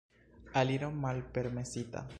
Aliro malpermesita.